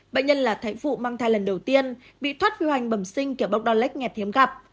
bệnh nhân là thay phụ mang thai lần đầu tiên bị thoát vị hoành bẩm sinh kiểu bốc đá lếch nghẹt thiếm gặp